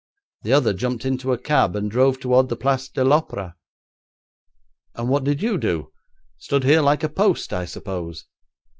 The other jumped into a cab, and drove towards the Place de l'Opéra.' 'And what did you do? Stood here like a post, I suppose?'